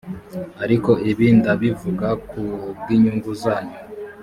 ariko ibi ndabivuga ku bw inyungu zanyu